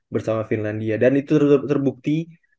bersama finlandia dan itu terbukti